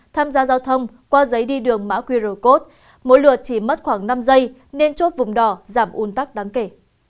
tham gia giao thông qua giấy đi đường mã qr code mỗi lượt chỉ mất khoảng năm giây nên chốt vùng đỏ giảm un tắc đáng kể